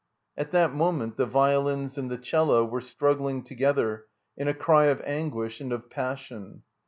At that moment the violins and the cello were struggling together in a cry of anguish and of passion.